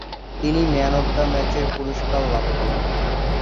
তিনি man of the ম্যাচের পুরস্কার লাভ করেন।